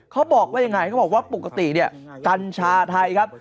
เขาบอกว่ายังไงเขาบอกว่าปกติเนี่ยกัญชาไทยครับ